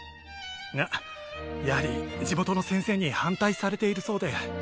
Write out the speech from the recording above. がやはり地元の先生に反対されているそうで。